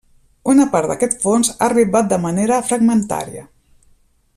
Una part d’aquest fons ha arribat de manera fragmentària.